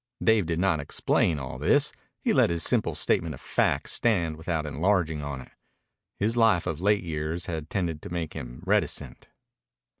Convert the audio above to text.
Dave did not explain all this. He let his simple statement of fact stand without enlarging on it. His life of late years had tended to make him reticent.